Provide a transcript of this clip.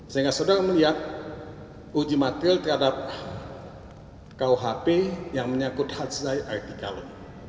sehingga saudara melihat uji materil terhadap kuhp yang menyangkut hadzai artikalu